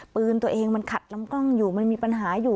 ปืนตัวเองมันขัดลำกล้องอยู่มันมีปัญหาอยู่